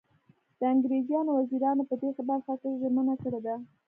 د انګریزانو وزیرانو په دې برخه کې ژمنه کړې ده.